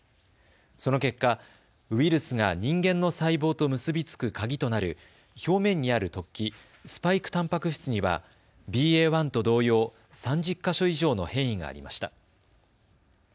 その結果、ウイルスが人間の細胞と結び付く鍵となる表面にある突起、スパイクたんぱく質にはＢＡ．１と同様、３０か所以上の変異がありました。